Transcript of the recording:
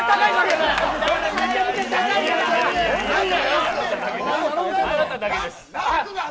あなただけです。